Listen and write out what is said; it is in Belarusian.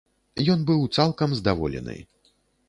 Ён быў цалкам здаволены.